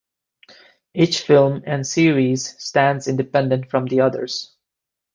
Each film and series stands independent from the others.